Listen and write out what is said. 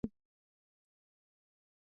اوبه د لامبو وهلو لپاره وي.